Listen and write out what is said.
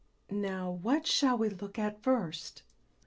Now what shall we look at first?"